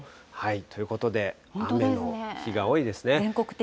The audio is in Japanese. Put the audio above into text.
ということで、雨の日が多いですね。